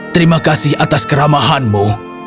terima kasih atas keramahanmu